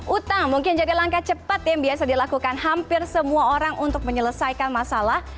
utang mungkin jadi langkah cepat yang biasa dilakukan hampir semua orang untuk menyelesaikan masalah